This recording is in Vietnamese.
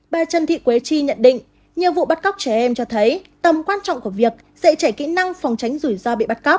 bà trần thị quế chi nhận định nhiều vụ bắt cóc trẻ em cho thấy tầm quan trọng của việc dạy trẻ kỹ năng phòng tránh rủi ro bị bắt cóc